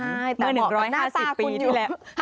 เมื่อ๑๕๐ปีที่แล้ว